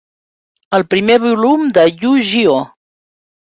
El primer volum de Yu-Gi-Oh!